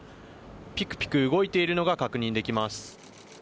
ぴくぴく動いているのが確認できます。